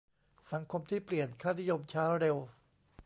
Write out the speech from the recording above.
สังคมที่เปลี่ยนค่านิยมช้าเร็ว